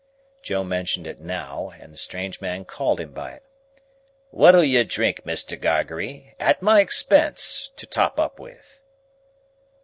Joe mentioned it now, and the strange man called him by it. "What'll you drink, Mr. Gargery? At my expense? To top up with?"